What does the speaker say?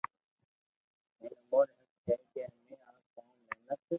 ھين اموري حق ھي ڪي امي آ ڪوم محنت